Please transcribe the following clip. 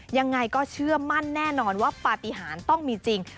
ยังไงก็เชื่อมั่นแน่นอนว่าปฏิหารต้องมีจริง